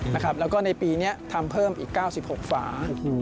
แล้วก็ในปีนี้ทำเพิ่มอีก๙๖ฝา